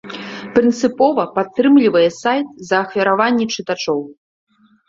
Прынцыпова падтрымлівае сайт за ахвяраванні чытачоў.